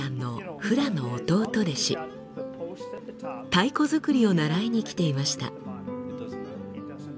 太鼓作りを習いに来ていました。